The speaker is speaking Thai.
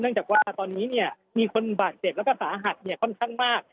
เนื่องจากว่าตอนนี้มีคนบาดเจ็บแล้วก็สาหัสค่อนข้างมาก